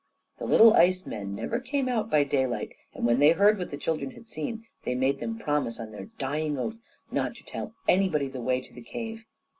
The little ice men never came out by daylight, and when they heard what the children had seen they made them promise on their dying oath not to tell anybody the way to the cave.